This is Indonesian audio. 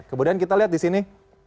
kemudian kita lihat di sini